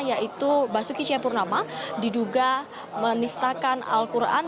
yaitu basuki cahaya purnama diduga menistakan al quran